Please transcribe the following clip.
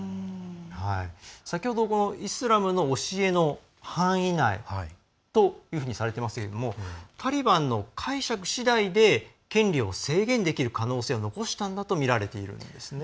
先ほど、イスラムの教えの範囲内とされていましたけどもタリバンの解釈しだいで権利を制限できる可能性を残したんだとみられているんです。